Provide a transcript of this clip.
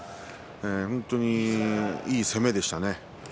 本当に、いい攻めでしたね。